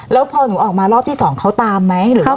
แล้วพอหนูออกมารอบที่๒เขาตามไหมหรือว่า